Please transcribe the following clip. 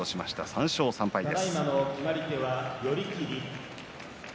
３勝３敗です。